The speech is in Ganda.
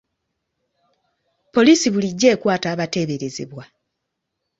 Poliisi bulijjo ekwata abateeberezebwa.